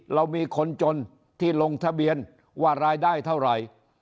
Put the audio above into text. เรามีคนจนที่ลงทะเบียนว่ารายได้เท่าไหร่